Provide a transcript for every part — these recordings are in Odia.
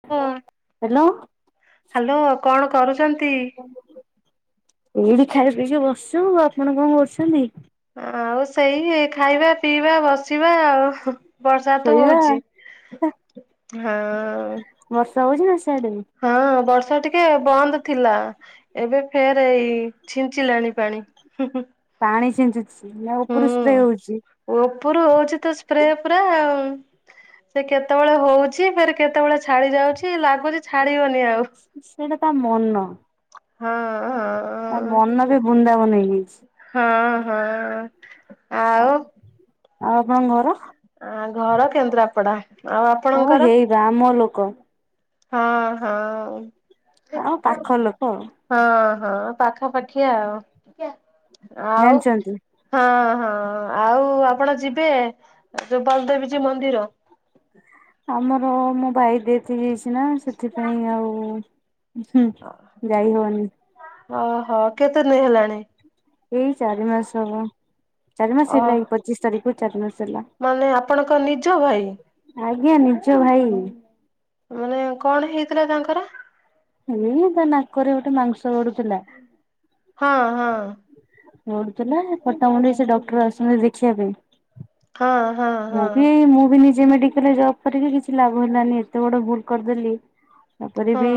[unintelligible] ହ୍ୟାଲୋ। ହ୍ୟାଲୋ କଣ କରୁଚନ୍ତି? ଏଇଠି ଖାଇ ପିଇକି ବସିଚୁ। ଆପଣ କଣ କରୁଛନ୍ତି? ଆଉ ସେଇ ଖାଇବା ପିଇବା ବସିବା ଆଉ। ବର୍ଷା ତ ଶୋଇବା ହଉଚି। ହଁ। ବର୍ଷା ହଉଚି ନା ସିଆଡେ? ହଁ ବର୍ଷା ଟିକେ ବନ୍ଦ ଥିଲା। ଏବେ ଫେର ଏଇ ଛି [unintelligible] ପାଣି। ହୁଁ ହୁଁ। ପାଣି ଛିଞ୍ଚୁଚି ମୋ ଉପରୁ ସ୍ପ୍ରେ ହଉଚି। ଉପରୁ ହଉଚି ତ ସ୍ପ୍ରେ ପୁରା ଆଉ। ସେ କେତେବେଳେ ହଉଚି ଫେରେ କେତେବେଳେ ଛାଡି ଯାଉଚି। ଲାଗୁଚି ସେଟା ତା ମନ। ହଁ ହଁ ତା ମ ମନ ବି ବୃନ୍ଦାବନ ହେଇଯାଇଚି। ହଁ ହଁ ଆଉ ଆଉ ଆପଣଙ୍କ ଘର? ଆ ଘର କେନ୍ଦ୍ରାପଡା। ଆଉ ଓ ଆପଣଙ୍କର? ହେଇବା ଆମ ଲୋକ। ହଁ ଆଉ ହଁ। ପାଖ ଲୋକ ହଁ ହଁ ପାଖାପାଖି ଆଉ। ଆଉ ଜାଣିଛନ୍ତି। ହଁ ହଁ। ଆଉ ଆପଣ ଯିବେ ଯୋଉ ବଲଦେବୀଜୀ ମନ୍ଦିର? ଆମର ମୋ ଭାଇ ଡେ ସିରିଏସ ନା ସେଥିପାଇଁ ଆଉ ହୁଁ ଯାଇ ହବନି। ଓହୋ କେତେ ଦିନ ହେଲାଣି? ଏଇ ଚାରି ମାସ ହବ। ଚାରି ମାସ ଓ ହେଲାଣି ଏଇ ପଚିଶ ତାରିଖ କୁ ଚାରି ମାସ ହେଲା। ମାନେ ଆପଣଙ୍କ ନିଜ ଭାଇ? ଆଜ୍ଞା ନିଜ ଭାଇ। ମାନେ କଣ ହେଇଥିଲା ତାଙ୍କର? ଏ ତା ନାକରେ ଗୋଟେ ମାଂସ ବଢ଼ୁଥିଲା ହଁ ହଁ। ବଢ଼ୁଥିଲା ପଟାମୁଣ୍ଡିରେ ସେ ଡକ୍ଟର ଆସୁଛନ୍ତି ଦେଖିବା ପାଇଁ ହଁ ହଁ ମୁଁ ହଁ ବି ମୁଁ ବି ନିଜେ ମେଡିକାଲରେ ଜବ କରିକି କିଛି ଲାଭ ହେଲାନି ଏତେ ବଡ ଭୁଲ କରିଦେଲି। ତାପରେ ହଁ। ବି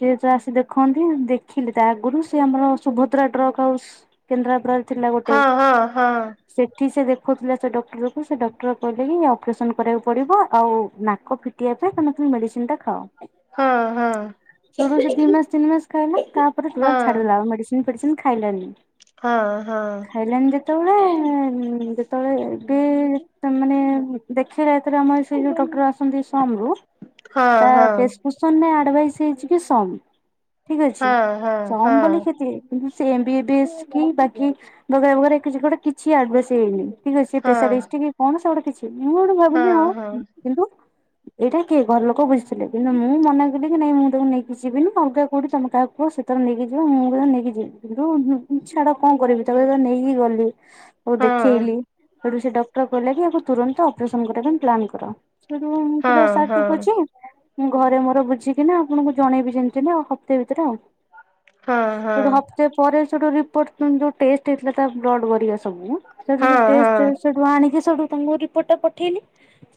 ସିଏ ତ ଆସି ଦେଖନ୍ତି। ଦେଖିଲି ତା ଆଗରୁ ସେ ଆମର ସୁଭଦ୍ରା ଡ୍ରଗ ହାଉସ କେନ୍ଦ୍ରାପଡ଼ ଥିଲା ଗୋଟେ। ହଁ ହଁ ହଁ ସେଠି ସେ ଦେଖୁଥିଲା ଗୋଟେ ଡକ୍ଟର କୁ। ସେ ଡକ୍ଟର କହିଲେ କି ଅପରେସନ କରିବାକୁ ପଡିବ ଆଉ ନାକ ଫିଟିବା ପାଇଁ ତମେ ତମ ମେଡିସିନ ଟା ଖାଅ ହଁ ହଁ। ଦି ମାସ ତିନି ମାସ ଖାଇଲା ତାପରେ ପୁରା ହଁ। ଛାଡିଦେଲା ମେଡିସିନ ଫେଡିସିନ ଖାଇଲାନି ହଁ ହଁ। ଖାଇଲେଣି ଯେତେବେଳେ ଯେତେବେଳେ ବି ତମାନେ ଦେଖା ଯେତ ଆମର ସେ ଯୋଉ ଡଟର ଆସନ୍ତି ସମ ରୁ ହଁ ତା ହଁ ପେଶକ୍ରିପସନ୍ ଆଡଭାଇସ୍ ହେଇଛି କି ସମ ଠିକ ଅଛି ହଁ ହଁ ସମ୍ ବୋଲି କ୍ଷତି ସେ ଏ ବି ବିସ୍ କି ବାକି ବଗ ବଗଟା [unintelligible] କିଛି ଆଡଭସ ହେଇନି ଠିକ ଅଛି ହଁ ହଁ ପେଶରିଷ୍ଟି କି କମ ସେ ଗୋଟେ କିଛି ମୁଁ ଗୋଟେ ଭାବିଲି ହଁ କିନ୍ତୁ ଏଇଟା କିଏ ଘର ଲୋକ ବୁଝିଥିଲେ କିନ୍ତୁ ମୁଁ ମନା କଲି କି ନାଇଁ ମୁଁ ତାକୁ ନେଇକି ଯିବିନି ଅଲଗା କୋଉଠି ତମେ କାହାକୁ ହ ସେତବେଳେ ନେଇକି ଯିବ ମୁଁ ବି ନେଇକି ଯିବିନ୍ତୁ ଛାଡ କଣ କରିବି ତାକୁ ଯେତେ ବେଳେ ନେଇକି ଗଲି ଉ ହଁ। ଦେଖେଇଲି ସେଠୁ ସେ ଡକ୍ଟର କହିଲେ କିକୁ ତୁରନ୍ତ ଅପରେସନ କରିବା ପାଇଁ ପ୍ଲାନ୍ କର। ସେଇଠୁ ଉ କହିଁ ଲି ହଁ ଆଉ ସାର୍ ହଁ ଠିକ ଅଛି ମୁଁ ଘରେ ମୋର ବୁଝିକି ନା ଆପଣଙ୍କୁ ଜଣେଇବି ଯେମିତି ନାଉ ହପ୍ତାହ ଭିତରେ ଆଉ ହଁ ସେଟୁ ହଁ ହପ୍ତ ପରେ ସେଠୁ ରିପୋର୍ଟ ଯୋଉ ଟେଷ୍ଟ ହେଇଥିଲା ତା ବ୍ଲଡ ବରିବା ସବୁ ସେଠୁ ସେଠୁ ହଁ ଟେଷ୍ଟ ସେଠୁ ଆଣିକି ସେଠୁ ତାଙ୍କୁ ରିପୋର୍ଟ ଟା ପଠେଇଲି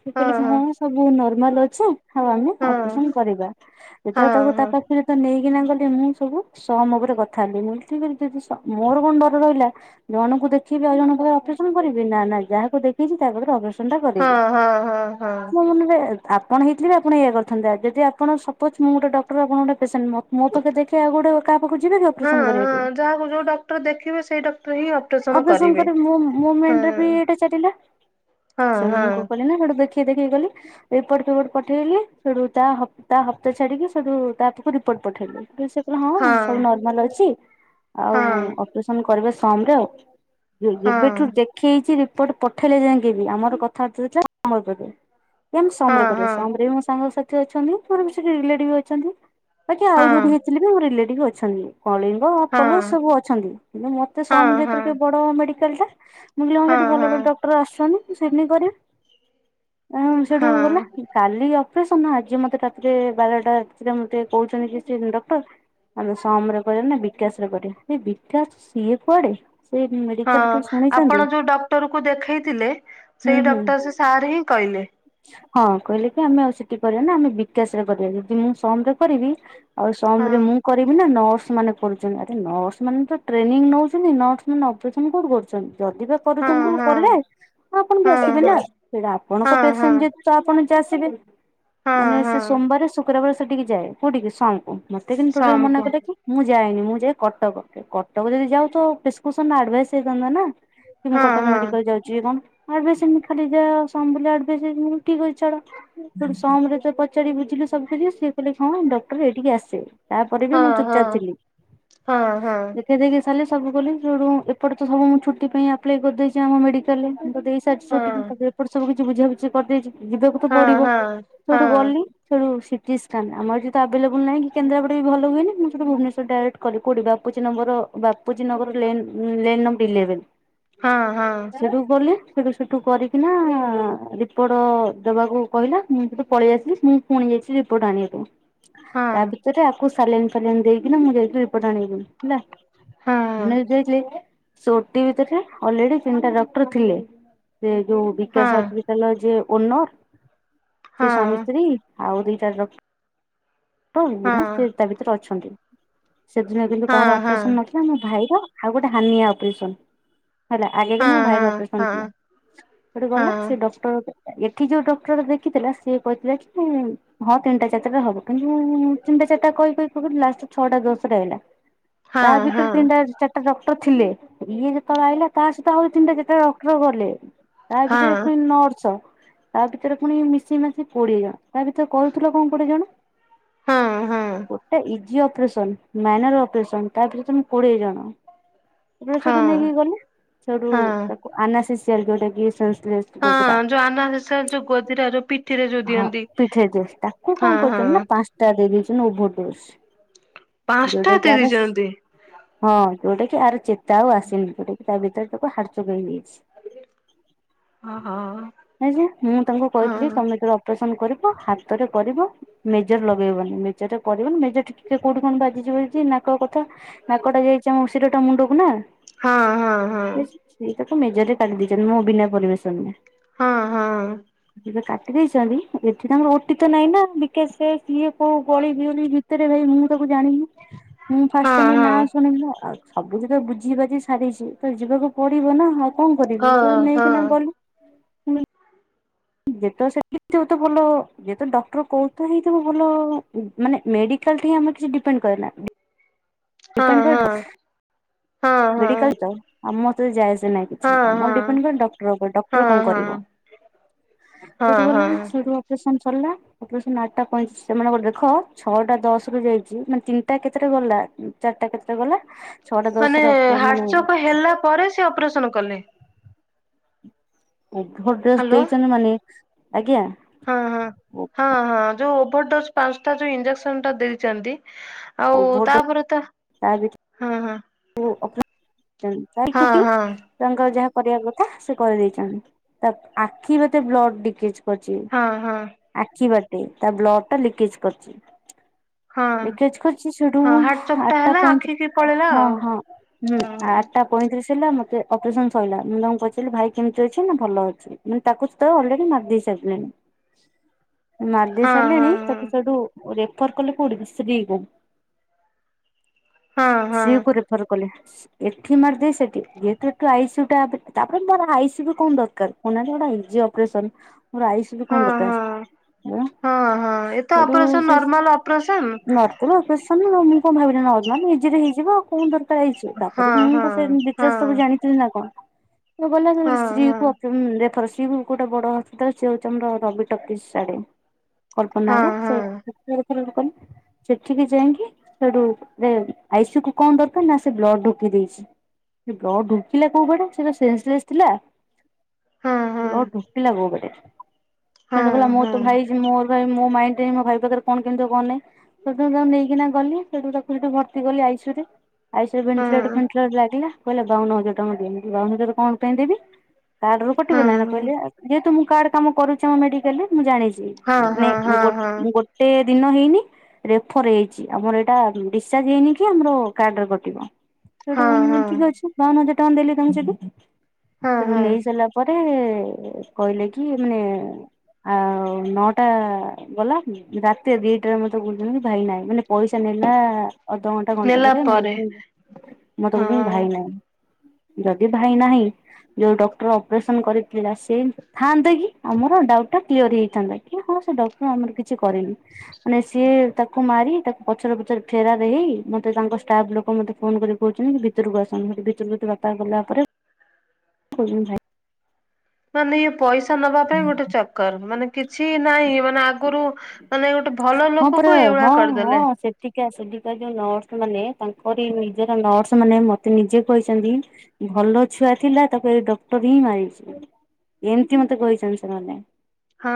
ସେ କହିଲେ ହଁ ସବୁ ନର୍ମାଲ ଅଛ ହେଲାଣି ହଁ ନା ହଁ ଅପରେସନ କରିବା ଯେତେବେଳେ ହଁ ତାକୁ ହଁ ତା ହଁ ପାଖରେ ତ ନେଇକିନା ଗଲେ ମୁଁ ସବୁ ସହମରେ କଥା ହେଲି ମୁଁ ଠିକ ଅଛି ଯଦି ସମ୍ ମୋର କଣ ଡର ରହିଲା ଜଣଙ୍କୁ ଦେଖିବି ଆଉ ଜଣଙ୍କ ଅପରେସନ କରିବି ନା ନା ଯାହାକୁ ଦେଖେଇଛି ତା ପାଖରେ ଅପରେସନ ସେଣ୍ଟ କରିବି ହଁ ହଁ ହଁ ମୋ ମନରେ ଆପଣ ହେଇଥିବ ଆପଣ ଏଇଆ କରିଥାନ୍ତେ ଯଦି ଆପଣ ସପୋଜ ମୁଁ ଗୋଟ ଡକ୍ଟର ଆପଣ ଗଟେ ପେସେଣ୍ଟ ମୋ ମୋ ପାଖ ଆଉ ଗୋଟେ କାହା ପାଖକୁ ଯିବେ ଅପରେସନ କରବାକୁ। ଯକୁ ଯଉ ଡ ଡଟର ଦେଖିବେ ସେଇ ଡକ୍ଟର ହିଁ ଅ ଅପରେଶନ। କରି ମୋ ମୋ ମାଏଣ୍ଡି ବି ଏଇଟା ଚାଲିଲା ହଁ ସେଠୁ ମୁ କଲିନା ସେଡୁ ଦେଖି କିଏ ଦେଖି କି ଗଲି ରିପୋର୍ଟ ଫିପୋଟ ପଠେଇଲି ସେଠୁ ତା ହପା ତା ହପ୍ତା ଛାଡିକି ସେଠୁ ତା ପାକୁ ରିପୋର୍ଟ ପଠେଇଲି ସେ [unintelligible] ହଁ ସବୁ ନର୍ମାଲ ଅଛି ଆଉ ହଁ ଅପରେସନ କରିବା ସମ ରେ ଆଉ ହଁ ଏବେଠୁ ଦେଖିେଇଛି ରିପୋର୍ଟ ପଠେଇଲେ ଯାଇକି ବି ଆମର କଥାବାର୍ତ୍ତା ହେଥିଲା ଆମ ଉପରେ ଏ ଆମ ହଁ ସମରେ କରିବା ହଁ ସମରେ ବି ମୋ ସାଙ୍ଗ ସାାଥି ଅଛନ୍ତି ମୋର ବିସେଠି ରିଲେଟିଭ ଅଛନ୍ତି ବାକି ଆଉ ହଁ ଯୋଉଠି ଥିଲେ ବି ମୋର ରିଲେଟିଭ ଅଛନ୍ତି କଳିଙ୍ଗ ହଁ ଆପଲ ସବୁ ଅଛନ୍ତି କିନ୍ତୁ ମତେ ହଁ ସମ ହଁ ଯେ ହଁ ବଡ଼ ମେଡିକାଲ ଟା ମୁଁ କହିଲି ହଁ ସେଠି ଭଲ ଭଲ ଡଟର ଆଶୁଛନ୍ତି। ସେଇଠି ନେଇ କରିବି ଉ ସେଠୁ ହଁ ଗଲେ କାଲି ଅପରେସନ ଆଜି ମତେ ରାତିରେ ବାରଟା ରାତିରେ ମତେ କହୁଛନ୍ତି କି ସେ ଡକ୍ଟର ଆମ ସମ ରେ କରିବା ନା ବିକାଶରେ କରିବା ଏ ବିକାଶ ସିଏ କୁଆଡେ ସେଇ [unintelligible] ହଁ ଆପଣ ଯୋଉ ଡକ୍ଟର କୁ ଦେଖେଇଥିଲେ ହୁଁ ସେଇ ହୁଁ ଡକ୍ଟର ସେ ସାର୍ ହିଁ କହିଲେ ହଁ କହିଲେ କି ଆମେ ଆଉ ସେଠି କରିବା ନା ଆମେ ବିକାଶ ରେ କରିବା ଯଦି ମୁଁ ସମ ରେ କରିବି ଆଉ ହଁ ସମୋମ ରେ ମୁଁ କରିବି ନା ନର୍ସ ମାନେ କରୁଛନ୍ତି ଆରେ ନର୍ସ ମାନେ ତ ଟ୍ରେନିଂ ନେଉଛନ୍ତି ନର୍ସ ମାନେ ଅପରେସନ୍ କଉଠ କରୁଛନ୍ତି ଯଦି ବା ହଁ କରୁଛନ୍ତି ହ ହଁ କରିଲରେ ଆପଣ ବି ହଁ ଆସିବେ ହଁ ନା ସେଇଟା ଆପଣଙ୍କ ହଁ ହଁ ପେସେଣ୍ଟ ଯ ଚା ଆପଣ ଯା ଆସିବେ ହଁ ମାନେ ସେ ହଁ ସୋମବାର ଶୁକ୍ର ତା ପରେ ସେଟି କି ଯାଏ କୋଉଠିକି ସମ୍ କୁ ମତେ କିନ୍ତୁ ଟୋଟାଲି ସମ୍ ମନା କୁ କଲେ କି ମୁଁ ଯାଏନି ମୁଁ ଯାଏ କଟକ କଟକ ଯଦି ଯାଉ ତ ପ୍ରିସ୍କ୍ରିସନ ଆଡଭାଇସ ହେଇଥାନ୍ତା ନା କି ମୁଁ ହଁ କଟକ ହଁ ମେଡିକାଲ ଯାଉଛି କି କଣ ଆଡମିସନ ଖାଲି ଯା ସମ୍ ବୁଲି [unintelligible] ମୁଁ କହିଲି ଠିକ୍ ଅଛି ଛାଡ଼ ୁ ସମ ରେ ତ ପଚାରି ବୁଝିଲୁ ସବୁ କି ସିଏ କହିଲେ ହଁ ଡକ୍ଟର ଏଇଠିକି ଆସିବେ ତା'ପରେ ବି ମୁଁ ହଁ ଚୁପ୍ ହଁ ଚାପ୍ ଥିଲି। ହଁ ହଁ ସେ ଦେକିକି ସବୁ କଲି, ଏପଟେ ତ ସବୁ ମୁଁ ଛୁଟି ପାଇଁ ଆପ୍ଲାଏ କର୍ ଦେଇଚି। ଆମ ମେ ତ ଦେଇ ସାର୍ଚି ହଁ ଛୁଟି, ତା'ପରେ ଏପଟ ସବୁ କିଛି ବୁଝିବା କରିଦେଇଚି, ଯିବାକୁ ତ ହଁ ପଡିବ ହଁ ହଁ ହଁ ସେ--ଠୁ ଗଲି। ସେଠୁ ସିଟି ସ୍କାନ୍ ଆମର ଏଠି ତ ଆଭେଲେବୁଲ୍‌ ନାହିଁ, କି କେଦ୍ରାପଡ଼ାରେ ବି ଭଲ ହୁଏନି। ମୁଁ ସେଠୁ ଭୁବୁ ନେଶ୍ଵର୍ ଡାଇରେଟ୍ କଲି, କଉଠି ବାପୁଜୀ ନମ୍ବର ବାପୁଜୀ ନଗର ଲେନ୍ ଲେନ୍‌---ଇଲେବେ ହଁ ହଁ! ସିଆଡ଼ କୁ ଗଲି, ସେଠୁ କରିକିନା ରିପୋର୍ଟ ଦେବାକୁ କହିଲା। ମୁଁ ସେଠୁ ପଳେଇ ଆସିଲି, ମୁଁ ପୁଣି ଯାଇଛି ରିପୋର୍ଟ ଆଣିବା ପାଇଁ। ହଁ ତା' ଭିତରେ ୟାକୁ ସାଲାଇନ୍‌ ଫାଲାଇନ୍‌ ଦେଇକିନା। ମୁଁ ଯାଇଥିଲି [inaudible] ହଁ ହଁ ସେ ଓଟି ଭିତରେ ଅଲ୍ରେଡି ତିନିଟା ଡ଼କ୍ଟର୍ ଥିଲେ। ସେ ଯଉ ବିକାଶ ହଁ ହ--ଟାଲ ଯେ ଓନର୍ ସେ ହଁ ସ୍ୱାମୀ-ସ୍ତ୍ରୀ ଆଉ ଦିଟା ଡ଼ ବୁ--ସେ ତା' ଭିତରେ ଅଛନ୍ତି, ସେଦିନ କିନ୍ତୁ ହଁ କାହାର ଅପରେସନ୍‌ ନ ଆମ ଭାଇର, ଆଉ ଗୋଟେ ହାନିଆ ଅପ୍ରେସନ୍‌। ହେଲା, ଆଗେ କିନ୍ତୁ ହଁ ହଁ ହଁ ହଁ ହଁ ହଁ ହଁ ମୋ ହଁ ଭାଇର ଅପ୍ରେସନ୍‌ ଥିଲା। ଗଲା ସେ ଡ଼କ୍ଟର ଏଠି ଯଉ ଡ଼କ୍ଟର ଦେଖିଥିଲା, ସିଏ କହିଥିଲା କି - ହଁ! ତିନିଟା ଚାରିଟା ହବ, କିନ୍ତୁ ତିନିଟା ଚାରିଟା କହି ଲାଷ୍ଟେ ଛଅଟା ଦଶଟା ହେଲା। ତା' ହଁ ଭିତରେ ତିନିଟା ଚାରିଟା ଡ଼କ୍ଟର୍ ଥିଲେ। ଇଏ ଯେତେବଳେ ଆଇଲା। ତା' ସ-ତ ଆଉ ତିନିଟା ଚାରିଟା ଡ଼କ୍ଟର ଗଲେ, ତା ଭିତରେ ପୁଣି ନର୍ସ ଆଉ ଟିକେ ରେ ପୁଣି ମିଶିଇ ମାସି କୋଡିଏ ଜଣ। ତା' ଭିତରେ କହୁଥିଲ। କ'ଣ ହଁ ହଁ ଗୋଟେ ଅପରେସନ୍‌ ମାଇନର୍ ଅପରେସନ୍‌, ତା' ପରେ ତମେ କୋଡ଼ିଏ ଜଣ। ହଁ [inaudible] ଯଉ ଆନା ଯଉ ଗଦିଟା, ଯଉ ପିଠିରେ ଯଉ ହଁ ଦିଅନ୍ତି। ପିଠେଇ ଡୋଜ ତାକୁ କଣ କରୁଛନ୍ତି [inaudible] ହଁ! ଯଉଟା ପାଞ୍ଚଟା ଦେଇ ଦେଇଛନ୍ତି କି ୟାର ଚେତା ଆଉ ଆସିନି, ଯଉଟା କି ତା' ଭିତରେ ତାକୁ ହାଟ୍ଚୋକ୍ ହେଇଯାଇଛି। [inaudible] [inaudible] କରିବ ହଁ ହାତରେ କରିବ, ମେଜର୍ ଲଗେଇବନି। ମେଜର୍ ରେ କରିବନି ମେଜର୍ ଟିକେ କଉଠି କ'ଣ ବା ନାକ କଥା ନାକଟା ଯାଇଚି, ଆମ ଶିରଟା ମୁଣ୍ଡକୁ ନା। ହଁ ହଁ ହଁ! ସେଇଟାକୁ ମେଜର୍ ରେ କାଟି ଦେଇଚନ୍ତି। ମୋ ବିନା ପର୍ମିସନ୍‌ ହଁ ହଁ! [inaudible] ରେ ଭାଇ ମୁଁ ତାକୁ ଜାଣିନି, ମୁଁ ଫାଷ୍ଟ୍ ଟାଇମ୍ ହଁ ନାଁ ଶୁଣିଲି ସବୁ ଯେତେ ବୁଝି ବାଝି ସାରିଛି, ତ ଯିବାକୁ ପଡିବ ନା। ଆଉ କ'ଣ କରିବି? ହଁ ହଁ। ନେଇକିନା ଗଲି। [inaudible] ମାନେ ମେଡ଼ିକାଲ୍ ଠି ଆମେ କିଛି ଡିପେଣ୍ଡେ କରେନା। [inaudible] ଆମର ହଁ ଡ଼ିପେଣ୍ଡ୍ ହଁ ହଁ ହଁ ହଁ ହଁ ହଁ ହଁ। କରେ ଡ଼କ୍ଟର୍ ଉପରେ। ହଁ ହଁ ଡ଼କ୍ଟର୍ କ'ଣ କରିବ? ହଁ ହଁ। [inaudible] ଅପ୍ରେସନ୍ ଆଟ୍ ଟା, ସେମାନଙ୍କର ଦେଖ ଛଅଟା ଦଶ୍ ରୁ ଯାଇଚି। ମାନେ ତିନ୍ ଟା କେତେଟା ରୁ ଗଲା? ଚାର୍ଟା କେତେ ଗଲା। ଛଅଟା ମାନେ, ଦଶରେ ଅପ ମାନେ ହାର୍ଟଚୋକ ହେଲା ପରେ ସେ ଅପରେସନ୍‌ କଲେ। ହାଲୋ [inaudible] ହଁ ହଁ ହଁ ହଁ! ଯଉ ଓଭରଡୋଜ୍‌ ପାନ୍‌ଷ୍ଟା ଟା ଯଉ ଇଞ୍ଜକ୍ସନ୍‌ ଟା ଦେଇଚନ୍ତି। ଆଉ ଓଭର ଡୋଜ ତା'ପରେ ତା [inaudible] [inaudible] ାଇକୁଟି ହଁ [unintelligible] ହଁ ତାଙ୍କର ଯାହା କରିବା କଥା ସେ କରିଦେଇଛନ୍ତି। ତା ଆଖି ବାଟେ ବ୍ଲଡଡିକେ ହୋଉଛି। ହଁ ହଁ। ଆଖି ବାଟେ ତା ବ୍ଲଡ ଟା ଲିକେଜ କରଛି। ହଁ ଲିକେଜ କରୁଛି ସେଠୁ, ହଁ ହାର୍ଟ ଚୋକଟା ଆଠଟା ହେଲା ପଇଁତିରି ଆଖିକି ପଳେଇଲା ହଁ ଆଉ ହଁ। ହୁଁ ଆଠ ପଇଁତିରିଶ ହେଲା, ମୋତେ ଅପରେସନ୍ ସରିଲା। ମୁଁ ତାଙ୍କୁ ପଚାରିଲି ଭାଇ କେମିତି ଅଛି? ନା ଭଲ ଅଛି। ମାନେ ତାକୁ ସେତେବେଳେ ଅଲରେଡି ମାରି ଦେଇ ସାରିଲେଣି। ମାରି ହଁ ଦେଇ ହଁ ହଁ ସାରିଲେଣି, ତାକୁ ସେଠୁ ରେଫର କଲେ କୋଉଠି, ଶ୍ରୀ କୁ। ହଁ ହଁ। ଶ୍ରୀ ହଁ କୁ ରେଫର୍ କଲେ। ଏଠି ମାରିଦେଇ ସେଠି, ଯେହେତୁ ଏଠି ଆଇ ସି ଇଉ ଟା, ତାପରେ ମୋର ଆଇ ସି ଇଉ ବି କଣ ଦରକାର କହୁନାହାନ୍ତି ଏଟା ଏନ୍ ଜି ଅପରେସନ୍ ମୋର ଆଇ ସେଠୁ କଣ ହଁ ଦରକାର? ହଁ ହଁ ହଁ ଏ ତ ସେଠୁ ଅପରେସନ ସେ ନର୍ମାଲ ଅପରେସନ ନ ସେତେବେଳେ ଅପରେସନ, ମୁଁ କଣ ଭାବିଲି ନର୍ମାଲ ଇଜିଲି ହେଇ ଯିବ। ଆଉ କଣ ଦର ପାଇଚି, ତାପରେ ହଁ ହଁ ମୁଁ ସେ ରିଚୁଆଲ୍ ହଁ ସବୁ ଜାଣିି ନା କଣ? ଗଲା ହଁ ଶ୍ରୀ କୁ ହଁ ରେଫର୍, ଶ୍ରୀ କୁ ଗୋଟେ ବଡ ହସ୍ପିଟାଲ ସେଏ ହଉଛି ଆମର ରବି ଟକିଶ ଆଡେ କଳ୍ପନା ଆଡେ। ସେ ହଁ ଫେରେ ଫର୍ ୱାର୍ଡ କଲି। ସେଠିକି ଯାଇକି, ସେଠିକି ଯାଇକି ସେଠୁ ଆଇ ସି ଇଉ କୁ କଣ ଦରକାର ନା ସେ ବ୍ଲଡ୍ ଢ଼ୋକି ଦେଇଛି। ସେ ବ୍ଲଡ୍ ଢୋକିଲା କୋଉ ବାଟେ? ସେ ତ ସେଶ୍ଳେଷ ଥିଲା। ହଁ ହଁ ବ୍ଲଡ୍ ଢୋକିଲା କୋଉ ବାଟେ? ସେ ହଁ ଗଲା ହଁ ମୁଁ ତ ହଁ ଭାଇ ମୋ ଭାଇ ମୋ ମାଇଣ୍ଡ ରେ ମୋ ଭାଇ ପାଖ ରେ କଣ କେମିତି ହବ, କଣ ନାଇ ସେଠୁଉ ତାକୁ ନେଇକିନା ଗଲି, ସେଠୁ ତାକୁ ସେଠୁ ଭର୍ତି କଲି ଆଇ ସି ଇଉ ରେ ଆଇ ସି ଇଉ ରେ ହଁ ଭେଣ୍ଟିଲେଟର୍, ଫେଣ୍ଟିଲେଟର୍ ଲାଗିଲା। କହିଲେ ବାଉନ ହଜାର ଟଙ୍କା ଦିଅ। ମୁଁ କହିଲି ବାଉନ ହଜାର କଣ ପାଇଁ ଦେବି? କାର୍ଡ ରୁ କଟିବ ହଁ ନାଇ ନା କହିଲେ, ହଁ ଯେହେତୁ ମୁଁ କାର୍ଡ କାମ କରୁଛି ଆ ମେଡିକାଲ ରେ ମୁଁ ଜାଣିଛି। ନାଇଁ ହଁ ମୁଁ ହଁ ହଁ ଗୋଟ-ଗୋଟ ଗୋଟେ ଦିନ ହେଇନି ରେଫର ହେଇଛି। ଆମର ଏଇଟା ଡିସଚାର୍ଜ ହେଇନି କି ଆମର କାର୍ଡରେ କଟିବ। ସେଠୁ ହଁ ହଁ ଠିକ୍ ଅଛି। ବାଉନ ହଜାର ଟଙ୍କା ଦେଲି ତାଙ୍କୁ ସେଠୁ ହଁ ସେଠୁ ହଁ ନେଇ ସାରିଲା ପରେ, କହିଲେ କି ମାନେ ଆ ନଟା ଗଲା, ରାତିରେ ଦିଟାରେ ମତେ କହୁଛନ୍ତି ଭାଇ ନାହିଁ, ମାନେ ପଇସା ନେଲା ଅଧଘଣ୍ଟା ଗୋଟେ ଘଣ୍ଟା ପରେ ମତେ କହୁଛନ୍ତି ହଁ ଭାଇ ନାହିଁ। ଯଦି ଭାଇ ନାହିଁ ଯୋଉ ଡକ୍ଟର ଅପରେସନ୍ କରିଥିଲା ସେ ଥାନ୍ତେ କି ଆମର ଡାଉଟ୍ ଟା କ୍ଲିଅର ହେଇଥାନ୍ତା, କି ହଁ ସେ ଡକ୍ଟର ଆମର କିଛି କରିନି। ମାନେ ସିଏ ତାକୁ ମାରି, ତାକୁ ପଛରେ ପଛରେ ଫେରାରେ ହେଇ, ମତେ ତାଙ୍କ ଷ୍ଟାଫ୍ ଲୋକ ମୋତେ ଫୋନ କରି କହୁଛନ୍ତି ଭିତରକୁ ଆସନ୍ତୁ, ଭିତରକୁ ବାପା ଗଲା ପରେ କହୁଛନ୍ତି ଭାଇ ମାନେ ଇଏ ପଇସା ନବା ପାଇଁ ଗୋଟେ ଚକର। ମାନେ କିଛି ନାହିଁ ମାନେ ମା ଆଗରୁ ମାନେ ଗୋଟେ ଭଲ ଲୋକକୁ ଏଇଭଳିଆ କରିଦେଲେ? ଠିକ ସେଧିକା ଯୋଉ ନର୍ସ ମାନେ, ତାଙ୍କର ନିଜର ନର୍ସ ମାନେ ମତେ ନିଜେ କହିଛନ୍ତି ଭଲ ଛୁଆ ଥିଲା। ତାକୁ ଏ ଡକ୍ଟର ହିଁ ମାରିଛି। ଏମିତି ମତେ କହିଛନ୍ତି ସେ ମାନେ। ହଁ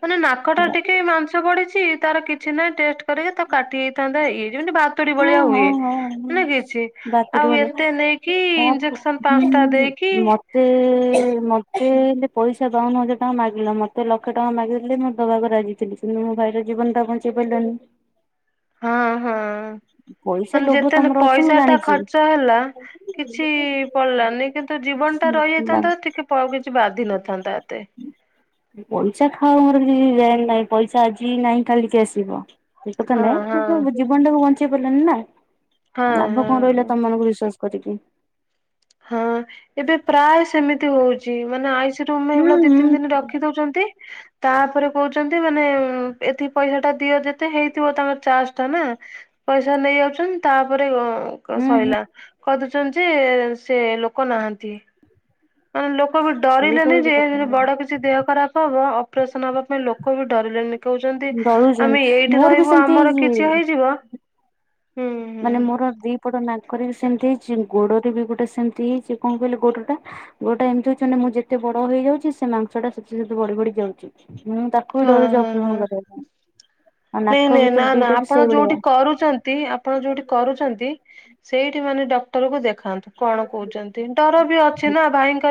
ମାନେ ନାକଟା ଟିକେ ମାଂସ ପଡିଛି। ତାର କିଛି ନାହିଁ ଟେଷ୍ଟ କରିକି ତାକୁ କାଟି ହେଇଥାନ୍ତା। ଇଏ ଯେମିତି ଭାତୁଡି ହଁ ଭଳିଆ ହୁଏ ହଁ ହଁ ହେଲେ କିଛି, ବାପରେ ଆଉ ବାରେ ଏତେ ନେଇକି ଇଞ୍ଜେକସନ୍ ପାଞ୍ଚ ଟା ଦେଇକି ମତେ-ମତେ ହେଲେ ପଇସା ବାଉନ ହଜାର ଟଙ୍କା ମାଗିଲା, ମତେ ଲକ୍ଷେ ଟଙ୍କା ମାଗିଦେଲେ ମୁଁ ଦବାକୁ ରାଜି କିନ୍ତୁ ମୋ ଭାଇର ଜୀବନ ଟା ବଞ୍ଚେଇ ପାରିଲାନି। ହଁ ହଁ। ପଇସା ମାନେ ଲୋଭ ଯେତେ ତମର ଅଛି ମୁଁ ପଇସା ଟା ଜାଣିଛି ଖର୍ଚ୍ଚ ହେଲା, କିଛି ପଡିଲାନି କିନ୍ତୁ ଜୀବନ ଟା ହେଲା ରହିଯାଇଥାନ୍ତା, ଟିକେ କିଛି ବାଧି ନଥାନ୍ତା ଏତେ ପଇସା ଖାଉ ମର କିଛି ଲେନ୍ ନାହିଁ ପଇସା ଆଜି ନାହିଁ କାଲିକି ଆସିବ। ସେକଥା ହଁ ନାଇଁ, ହଁ କିନ୍ତୁ ବୁଝି ଜୀବନ ଟାକୁ ବଞ୍ଚେଇ ପାରିଲାନି ନା ହଁ ଆଉ ଲାଭ କଣ ହଁ ରହିଲା ତମ ମାନଙ୍କୁ ବିଶ୍ଵାସ କରିକି। ହଁ ଏବେ ପ୍ରାଏ। ସେମିତି ହଉଛି ମାନେ ଆଇସି ରୁମରେ ହୁଁ ଏଇ ଭଳିଆ ଦି ହୁଁ ତିନି ଦିନ ରଖି ଦଉଛନ୍ତି। ତାପରେ କହୁଛନ୍ତି ମାନେ ଏତିକି ପଇସା ଟା ଦିଅ ଯେତେ ହେଇଥିବ ତାଙ୍କ ଚାର୍ଜ ଟା ନା। ପଇସା ନେଇ ଯାଉଛନ୍ତି ତାପରେ ଅଁ କ ହୁଁ ହୁଁ ସଇଲା କହି ଦଉଛନ୍ତି ଯେ ସେ ଲୋକ ନାହାନ୍ତି। ତାମାନେ ଲୋକ ବି ସିଏ ତ ଡରିଲେନି ହଉଛି ଯେ କଥା ବଡ କିଛି। ଛି ଦେହ ଖରାପ ହବ ଅପରେସନ ହବା ପାଇଁ ଲୋକ ବି ଡରିଲେଣିି। କହୁଛନ୍ତି ଆମେ ଡରୁଛନ୍ତି ଏଇଠି ମୋର ବି ରହିବୁ ସେମିତି ଆମର କିଛି ହେଇଛି। ହେଇଯିବ। ହୁଁ ହୁଁ। ମାନେ ମୋର ଦିପଟ ନାକରେ ବି ସେମିତି ହେଇଛି ଗୋଡରେ ବି ଗୋଟେ ସେମିତି ହେଇଛି କଣ କହିଲେ ଗୋଡଟା। ଗୋଡଟା ଏମିତି ହଉଛି ମାନେ ମୁଁ ଯେତେ ବଡ ହେଇ ଯାଉଛି ସେ ମାଂସଟା ସେତେ ସେତେ ବଢି ବଢି ଯାଉଛି ମୁଁ ତା ହଁ ହଁ ହଁ ଆଉ ନାକ ନାଇଁ ନାଇଁ ଭିତରେ ନା ନା ଦିଟା ବି ଆପଣ ସେଇଭଳିଆ ଯୋଉଠି କରୁଚନ ନ୍ତି ଆପଣ ଯୋଉଠି କରୁଛନ୍ତି ସେଇଠି ମାନେ ଡକ୍ଟର କୁ ଦେଖ। ଖାନ୍ତୁ କଣ କହୁଛନ୍ତି ଡର ବି ଅଛି ନା ଭାଇଙ୍କ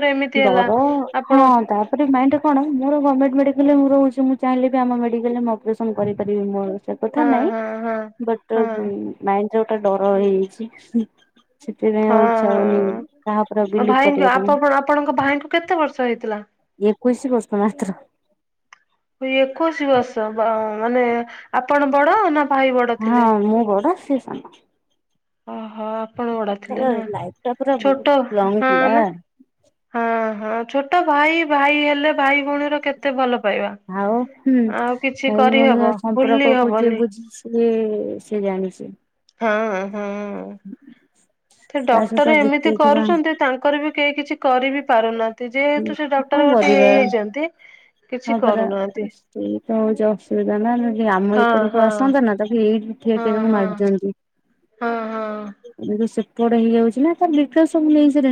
ଡର ହଁ ତା ପରେ ମାଇଣ୍ଡରେ କଣ ମୋର ଗମେଣ୍ଟ ମେଡାଲରେ ମୁଁ ରହୁଛି ମୁଁ ଚାହିଁଲେ ବି ଆମ ମେଡାଲରେ ମୁଁ ଅପରେସନ କରେଇପାରିବି ମୋ ସେ ହଁ କଥା ନାଇଁ ହଁ ହଁ ବଟ ହଁ ମାଇଣ୍ଡ ରେ ଗୋଟା ଡର ହେଇଯାଇଛି। ସେଥିପାଇଁ ଆଉ ଇଚ୍ଛା ହଉନି ହଁ କାହା ଉପରେ ଆଉ ହଁ ବିଲିଭ ଭାଇଙ୍କ କରିବା ପାଇଁ। ଆପଣ ଆପଣଙ୍କ ଭାଇଙ୍କୁ କେତେ ବର୍ଷ ହେଇଥିଲା। ଏକୋଇଶି ବର୍ଷ ମାତ୍ର। ଓ ଏକୋଇଶି ବର୍ଷ ବା ମାନେ ଆପଣ ବଡ ନା। ଭାଇ ବଡ ହଁ ଥିଲେ? ମୁଁ ବଡ ସିଏ ସାନ। ଓହୋ ଆପଣ ବଡ ତାର ଥିଲେ ନା ଲାଇଫ୍ ଟା ପୁରା ବହୁତ ଛୋଟ ଲଙ୍ଗ ହଁ ଥିଲା ନା। ହଁ ହଁ ଛୋଟ ଭାଇ ଭାଇ ହେଲେ ଭାଇ ଭଉଣୀର କେତେ ଭଲ ପାଇବା। ଆଉ ହୁଁ ଆଉ କିଛି ଭଇ କରିହବ ଭଉଣୀଙ୍କ ଭୁଲି ସମ୍ପର୍କକୁ ଯିଏ ହବନି ବୁଝିଛି। ସିଏ ସିଏ ଜାଣିଛି। ହଁ ହଁ। ହୁଁ ଥେ ଡକ୍ଟର ଏମିତି କରୁଛନ୍ତି ତାଙ୍କର ବି କେହି କିଛି କରିିବି ପାରୁ ନାହାନ୍ତି। ଯେହେତୁ ସେ ଡକ୍ଟର କଣ ଗୋଟେ ହେଇ କରିବା ଯାଇଛନ୍ତି। ହଁ ପରା ସେଇତ ହଉଛି ଅସୁବିଧା ନା ଯଦି ଆମ ହଁ ଏପଟକୁ ହଁ। ଆସନ୍ତା ନା ତାକୁ ଏଇଠି। ଠିଆ ଠିଆ ହଁ ତାକୁ ହଁ ମାରିଦିଅନ୍ତି। ହଁ ହଁ। ଏବେ ତ ସେପଟ ହେଇଯାଉଛି ନା ତାର ଡିଟେଲସ ସବୁ ମୁଁ ନେଇ ସାଇଲୀଣୀ।